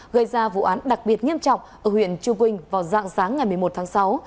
gây ra vụ án đặc biệt nghiêm trọng ở huyện chư quynh vào dạng sáng ngày một mươi một tháng sáu